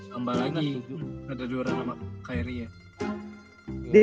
sambal lagi ada durant sama kyrie ya